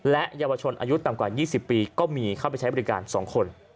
และเยาวชนอายุต่ำกว่า๒๐ปีก็มีเข้าไปใช้บริการ๒คน